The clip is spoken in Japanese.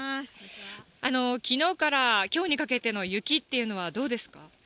きのうからきょうにかけての雪っていうのはどうですか。